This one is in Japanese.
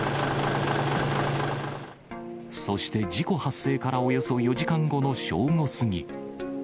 そして事故発生からおよそ４時間後の正午過ぎ。